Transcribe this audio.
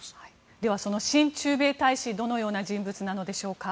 では、新駐米大使どのような人物なのでしょうか。